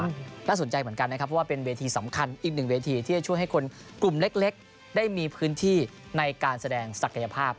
น่าสนใจเหมือนกันนะครับเพราะว่าเป็นเวทีสำคัญอีกหนึ่งเวทีที่จะช่วยให้คนกลุ่มเล็กได้มีพื้นที่ในการแสดงศักยภาพ